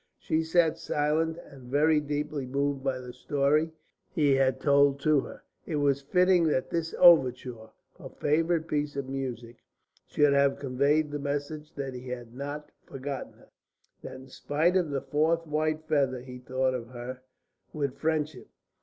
She sat silent and very deeply moved by the story he had told to her. It was fitting that this overture, her favourite piece of music, should convey the message that he had not forgotten her, that in spite of the fourth white feather he thought of her with friendship.